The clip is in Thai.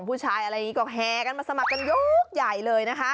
ผู้ชายอะไรอย่างนี้ก็แห่กันมาสมัครกันยกใหญ่เลยนะคะ